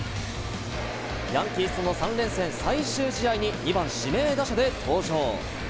ヤンキースとの３連戦最終試合に２番・指名打者で登場。